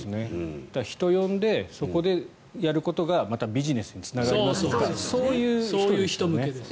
人を呼んでそこでやることがまたビジネスにつながりますみたいなそういう人たちですね。